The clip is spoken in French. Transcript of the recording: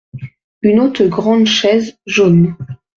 Une autre grande chaise jaune.